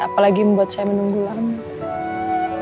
apalagi membuat saya menunggu lama